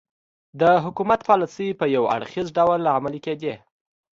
د حکومت پالیسۍ په یو اړخیز ډول عملي کېدې.